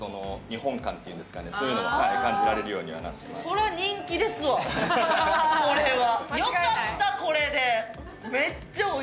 それは人気ですわ、これは。